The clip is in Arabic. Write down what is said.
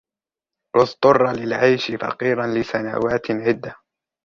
اضطر للعيش فقيرا لسنوات عدة.